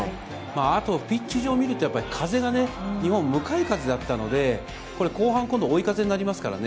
あと、ピッチ上見ると、やっぱり風がね、日本、向かい風だったので、これ、後半今度、追い風になりますからね。